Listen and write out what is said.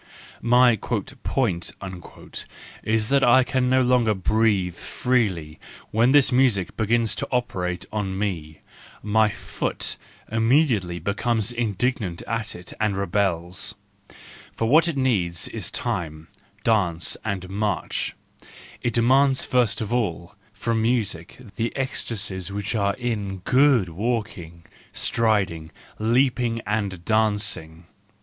My "point" is that I can no longer breathe freely when this music begins to operate on me; my joot immediately becomes indignant at it and rebels: for what it needs is time, dance and march; it demands first of all from music the ecstasies which are in good walking, striding, leap¬ ing and dancing.